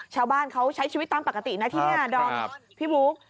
ชาวบ้านเขาใช้ชีวิตตามปกตินะที่นี่ดอมพี่บุ๊ค